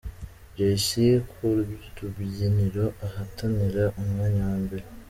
Jay C ku rubyiniro ahatanira umwanya wa mbere.